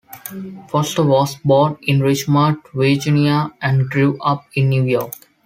Foster was born in Richmond, Virginia, and grew up in New York.